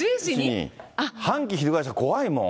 反旗翻したら怖いもん。